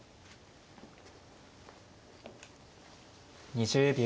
２０秒。